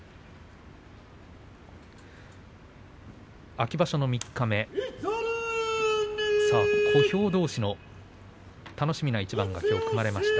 秋場所の三日目小兵どうしの楽しみな一番が組まれました。